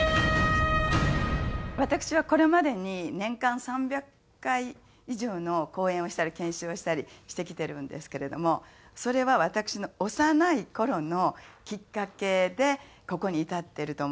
私はこれまでに年間３００回以上の講演をしたり研修をしたりしてきてるんですけれどもそれは私の幼い頃のきっかけでここに至ってると思うんです。